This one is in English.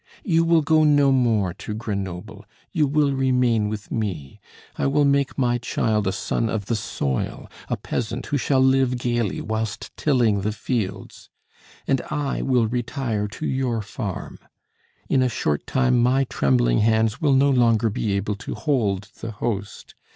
"You will go no more to Grenoble, you will remain with me; I will make my child a son of the soil, a peasant who shall live gaily whilst tilling the fields. "And I will retire to your farm. In a short time my trembling hands will no longer be able to hold the Host.